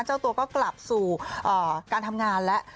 เจ้าตัวก็กลับสู่การทำงานแล้ว